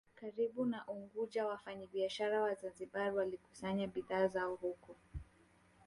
karibu na Unguja Wafanyabiashara wa Zanzibar walikusanya bidhaa zao huko